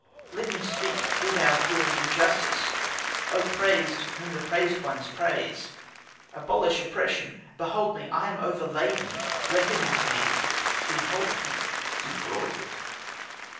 Let me speak, do thou hear and do justice; O praised! whom the praised ones praise. Abolish oppression, behold me, I am overladen, Reckon with me, behold me defrauded."